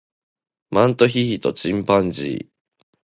マントヒヒとチンパンジー